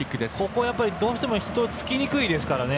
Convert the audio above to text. ここはどうしても人につきにくいですからね。